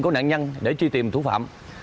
của nạn nhân để truy tìm thủ phạm